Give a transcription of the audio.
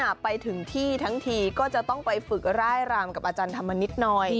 ฉันอ่ะไปถึงที่ทั้งทีก็จะต้องไปฝึกไล่รามกับอาจารย์ทำมันนิดน้อย